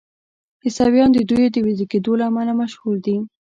عیسویان د دوی د ویده کیدو له امله مشهور دي.